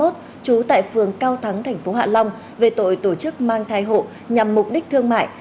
trú tại phường cao thắng tp hạ long về tội tổ chức mang thai hộ nhằm mục đích thương mại